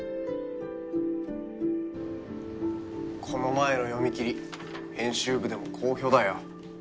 この前の読み切り編集部でも好評だよ。